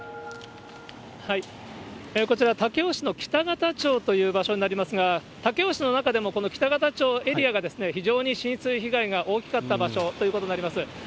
こちら、武雄市のきたがた町という場所になりますが、武雄市の中でも、この北方町エリアが非常に浸水被害が大きかった場所ということになります。